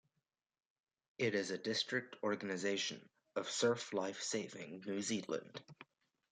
It is a district organization of Surf Life Saving New Zealand.